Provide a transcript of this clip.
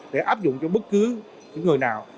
để áp dụng cho bất cứ người nào